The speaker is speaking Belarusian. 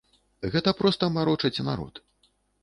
Гэта проста марочаць народ.